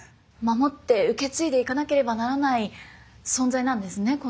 守って受け継いでいかなければならない存在なんですね